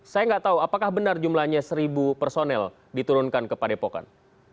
saya nggak tahu apakah benar jumlahnya seribu personel diturunkan ke padepokan